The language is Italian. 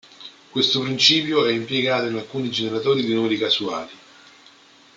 Questo principio è impiegato in alcuni generatori di numeri casuali.